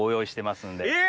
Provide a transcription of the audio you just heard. え！